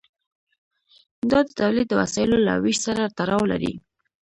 دا د تولید د وسایلو له ویش سره تړاو لري.